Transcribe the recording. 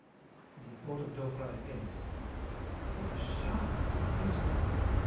And he thought of Docre again. "What a sharper that priest is!